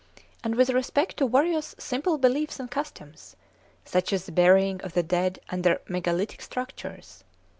and with respect to various simple beliefs and customs, such as the burying of the dead under megalithic structures.